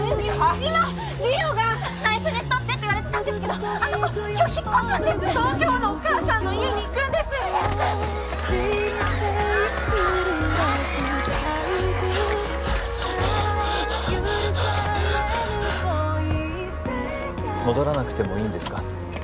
今梨央が内緒にしとってって言われてたんですけどあの子今日引っ越すんです東京のお母さんの家に行くんです戻らなくてもいいんですか？